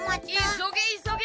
急げ急げ！